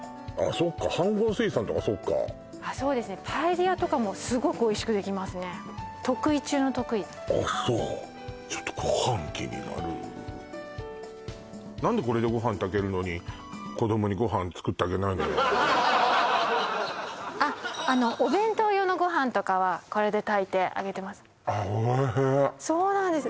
そっか飯ごう炊さんとかそっかそうですねパエリアとかもすごくおいしくできますね得意中の得意あっそうちょっとご飯気になる何でこれでご飯炊けるのにあっお弁当用のご飯とかはこれで炊いてあげてますそうなんですよ